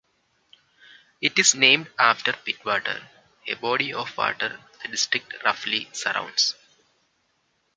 It is named after Pittwater, a body of water the district roughly surrounds.